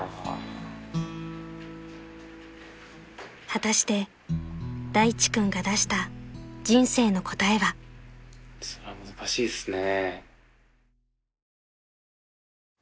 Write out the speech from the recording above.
［果たして大地君が出した人生の答えは］それは難しいですね。